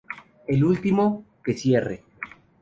El último, que cierre